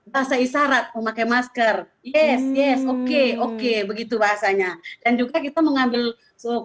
bahasa isyarat memakai masker yes yes oke oke begitu bahasanya dan juga kita mengambil suhu